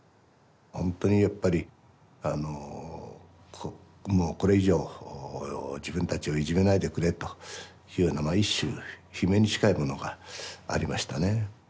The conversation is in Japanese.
本当にやっぱりあのもうこれ以上自分たちをいじめないでくれというような一種悲鳴に近いものがありましたね。